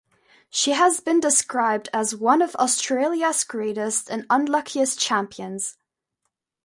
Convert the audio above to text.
She has been described as 'one of Australia's greatest and unluckiest' champions.